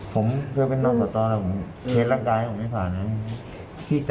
แล้วเราไปอ้างเขาว่าเป็นตำรวจหรือเปล่าบอกด้วยบอกว่าเราเป็นตำรวจ